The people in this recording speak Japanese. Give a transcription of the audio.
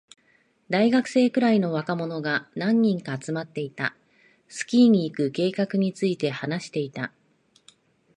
大学生くらいの若者が何人か集まっていた。スキーに行く計画について話していた。